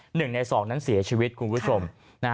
หนึ่งในสองนั้นเสียชีวิตคุณผู้ชม